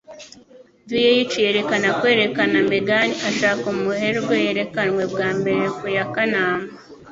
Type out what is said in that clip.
VH yerekana kwerekana Megan Ashaka Umuherwe yerekanwe bwa mbere ku ya Kanama .